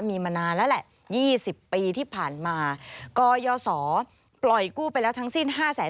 มีมานานแล้วแหละ๒๐ปีที่ผ่านมากยศปล่อยกู้ไปแล้วทั้งสิ้น๕แสน